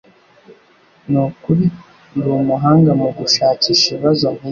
Nukuri ndumuhanga mugushakisha ibibazo nkibi